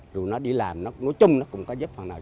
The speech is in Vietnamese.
rồi nó đi làm nó chung nó cũng có giúp hoặc nào